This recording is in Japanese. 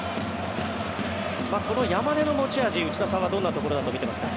この山根の持ち味内田さんはどのようなところだと見ていますか。